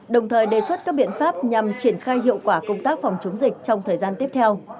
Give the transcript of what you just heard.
đồng thời đề xuất các biện pháp nhằm triển khai hiệu quả công tác phòng chống dịch trong thời gian tiếp theo